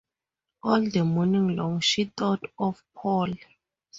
All the morning long she thought of Paul.